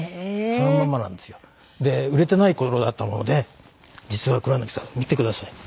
そのままなんですよ。で売れてない頃だったもので実は黒柳さん見てください。